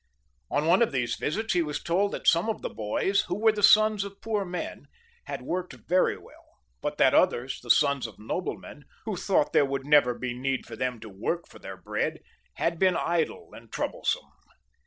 On one of these visits he was told that some of the boys, who were t|ie sons of poor men, had worked very weU, but that others, the sons of noblemen, who thought there would never be need for them to work for their bread, had been idle and troublesome.